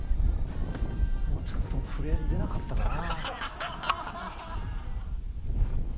もうちょっとフレーズ出なかったかな。